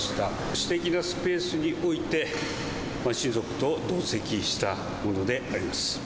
私的なスペースにおいて、親族と同席したものであります。